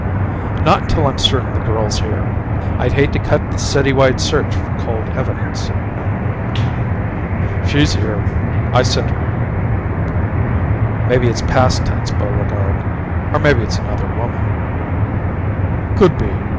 "Not until I'm certain the girl's here. I'd hate to cut the city wide search for cold evidence." "She's here. I scent her." "Maybe it's past tense, Buregarde. Or maybe it's another woman." "Could be.